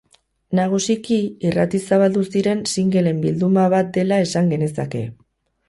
Nagusiki, irratiz zabaldu ziren singelen bilduma bat dela esan genezake.